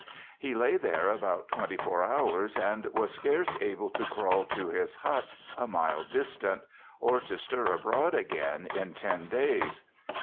He lay there about 24 hours and was scarce able to crawl to his hut a mile distant, or to stir abroad again in ten days.